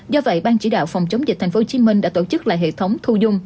do vậy ban chỉ đạo phòng chống dịch tp hcm đã tổ chức lại hệ thống thu dung